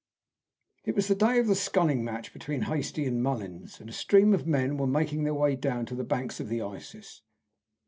It was the day of the sculling match between Hastie and Mullins, and a stream of men were making their way down to the banks of the Isis.